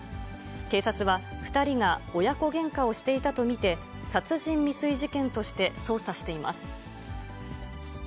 警察は、２人が親子げんかをしていたと見て、殺人未遂事件として捜査しています。